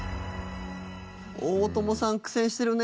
大友さん苦戦してるね。